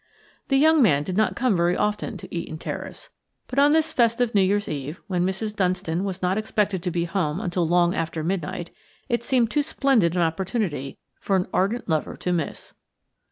The young man did not come very often to Eaton Terrace, but on this festive New Year's Eve, when Mrs. Dunstan was not expected to be home until long after midnight, it seemed too splendid an opportunity for an ardent lover to miss.